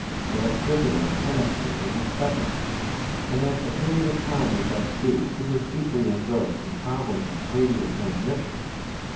Electricity and chemistry were his specialties, and at the period of which I speak he was deeply engrossed in problems of radio transmission.